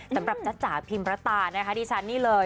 สำหรับจ๊ะจ๋าพิมพ์ประตานะคะที่ชั้นนี่เลย